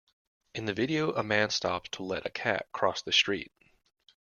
In the video, a man stops to let a cat cross the street.